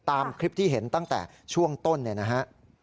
ตามคลิปที่เห็นตั้งแต่ช่วงต้นเนี่ยนะฮะ